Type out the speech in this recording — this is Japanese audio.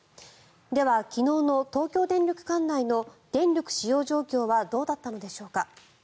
では、昨日の東京電力管内の電力使用状況はどうだったのでしょうか。